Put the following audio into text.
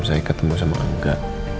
saya ketemu sama angga